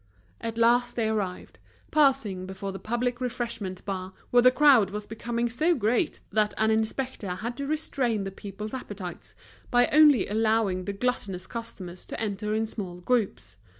At last they arrived, passing before the public refreshment bar, where the crowd was becoming so great that an inspector had to restrain the people's appetites by only allowing the gluttonous customers to enter in small groups.